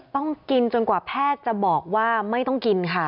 ต้องกินจนกว่าแพทย์จะบอกว่าไม่ต้องกินค่ะ